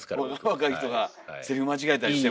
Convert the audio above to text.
若い人がセリフ間違えたりしても。